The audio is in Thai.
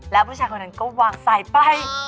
แล้วผู้ชายคนนั้นก็วางสายไป